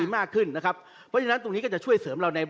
แต่คุณค่ะมันเข้ามาแล้ว